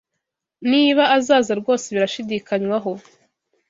Niba azaza rwose birashidikanywaho